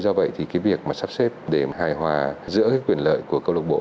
do vậy thì việc sắp xếp để hài hòa giữa quyền lợi của câu lục bộ